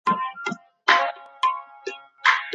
په قلم لیکنه کول د تناسب او توازن د درک سبب ګرځي.